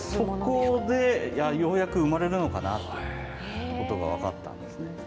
そこでようやく生まれるのかなっていうことが分かったんですね。